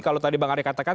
kalau tadi bang ari katakan